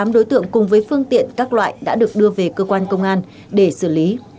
tám đối tượng cùng với phương tiện các loại đã được đưa về cơ quan công an để xử lý